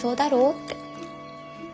って。